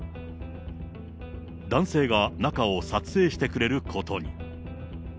男性が中を撮影してくれることに。